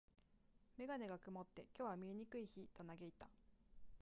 メガネが曇って、「今日は見えにくい日」と嘆いた。